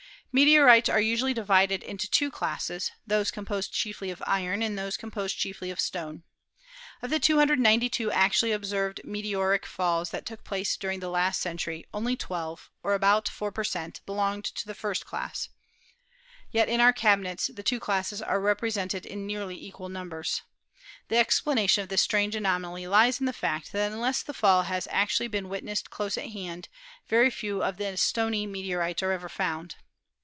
Meteorites are usually divided into two classes, those composed chiefly of iron and those composed chiefly of stone. Of the 292 actually observed meteoric falls that took place during the last century, only twelve, or about 4 per cent, belonged to the first class, yet in our cabinets the two classes are represented in nearly equal numbers. The explanation of this strange anomaly lies in the fact that unless the fall has been actually witnessed close at hand, very few of the stony meteorites are ever found.